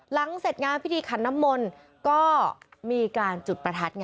หลังเสร็จงานพิธีขันมลมีการจุดประทัด